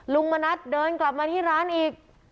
ลุงมานัดเดินกลับมาที่ร้านอีก